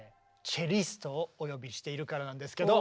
チェリストをお呼びしているからなんですけど。